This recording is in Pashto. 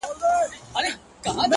• بیا خرڅ کړئ شاه شجاع یم پر پردیو ـ